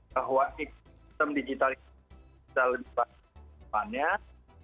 bahwa ekonomi digital bisa lebih baik dari kebanyakan